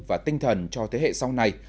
và tinh thần cho thế hệ sau này